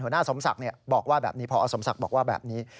หัวหน้าสมศักดิ์บอกว่าแบบนี้